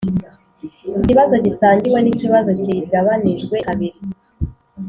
ikibazo gisangiwe nikibazo kigabanijwe kabiri